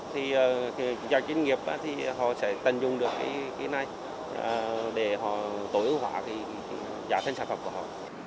thì do chuyên nghiệp thì họ sẽ tận dụng được cái này để họ tối ưu hóa giả thành sản phẩm của họ